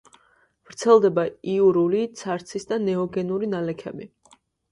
ვრცელდება იურული, ცარცის და ნეოგენური ნალექები.